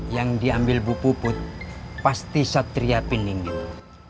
yang diambil bupuput pasti satria pining gitu